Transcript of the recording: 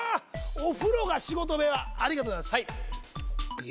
「お風呂が仕事部屋」ありがとうございます。